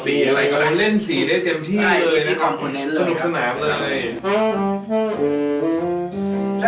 เพราะฉะนั้นแนะนำเพราะพี่เขาจะทำ